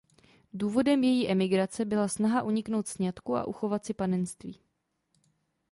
Důvodem její emigrace byla snaha uniknout sňatku a uchovat si panenství.